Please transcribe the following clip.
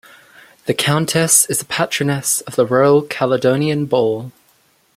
The Countess is a Patroness of the Royal Caledonian Ball.